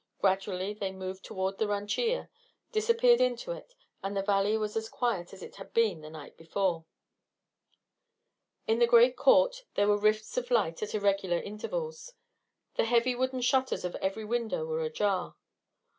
Gradually they moved toward the rancheria, disappeared into it, and the valley was as quiet as it had been the night before. In the great court there were rifts of light at irregular intervals; the heavy wooden shutters of every window were ajar.